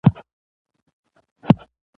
تر مخ یې سندرې، اتڼونه او خوشحالۍ وشوې.